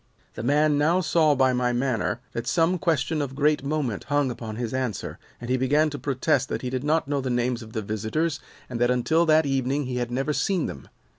"The man now saw by my manner that some question of great moment hung upon his answer, and he began to protest that he did not know the names of the visitors and that until that evening he had never seen them.